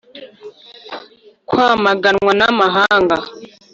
kwamaganwa n'amahanga.